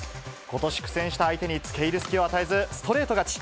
ことし苦戦した相手につけいる隙を与えず、ストレート勝ち。